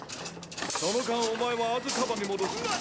その間お前はアズカバンに戻す